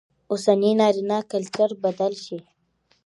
اوسنى نارينه کلچر بدل شي